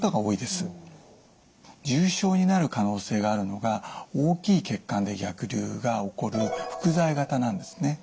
重症になる可能性があるのが大きい血管で逆流が起こる伏在型なんですね。